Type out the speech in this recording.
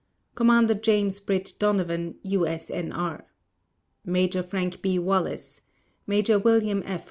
Commander James Britt Donovan, U.S.N.R. Major Frank B. Wallis Major William F.